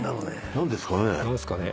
何ですか？